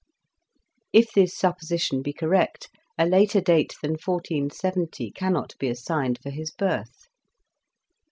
If this supposition be correct, a later date than 1470 cannot be as signed for his birth.